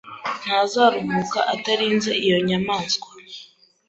Ntazaruhuka atarinze iyo nyamaswa